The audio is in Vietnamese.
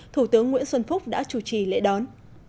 thủ tướng nguyễn xuân phúc đã chủ trì lễ đón